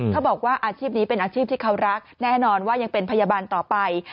เขาบอกว่าอาชีพนี้เป็นอาชีพที่เขารักแน่นอนว่ายังเป็นพยาบาลต่อไป